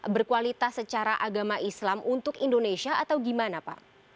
berkualitas secara agama islam untuk indonesia atau gimana pak